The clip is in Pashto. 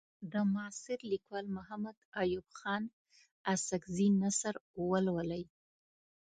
د معاصر لیکوال محمد ایوب خان اڅکزي نثر ولولئ.